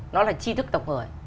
nó là chi thức tộc người